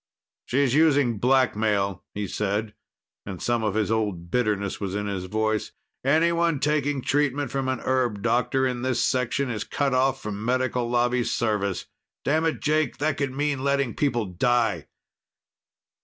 "She's using blackmail," he said, and some of his old bitterness was in his voice. "Anyone taking treatment from an herb doctor in this section is cut off from Medical Lobby service. Damn it, Jake, that could mean letting people die!"